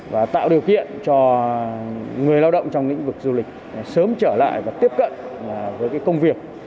và tạo điều kiện cho người lao động trong lĩnh vực du lịch sớm trở lại và tiếp cận với công việc